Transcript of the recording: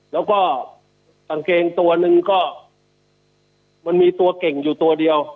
แล้วก็กางเกงตัวหนึ่งก็มันมีตัวเก่งอยู่ตัวเดียว